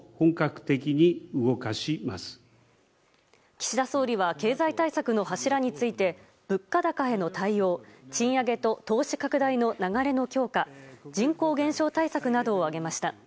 岸田総理は経済対策の柱について物価高への対応賃上げと投資拡大の流れの強化人口減少対策などを挙げました。